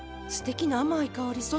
すてきな甘い香り。